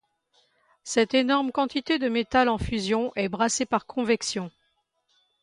Cette énorme quantité de métal en fusion est brassée par convection.